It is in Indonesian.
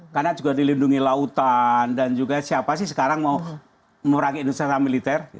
karena juga dilindungi lautan dan juga siapa sih sekarang mau memperangi indonesia setelah militer